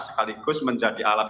sekaligus menjadi alat